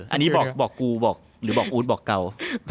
อันนี้บอกกูบอกหรือบอกอู๊ดบอกเก่า